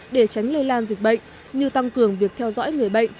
để tránh lây lan dịch bệnh như tăng cường việc theo dõi người bệnh